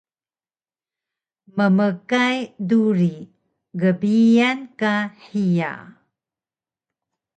Mmkay duri gbiyan ka hiya